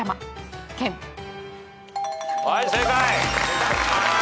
はい正解。